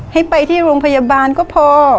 ให้ไปที่โรงพยาบาลก็พอ